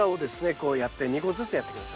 こうやって２個ずつやって下さい。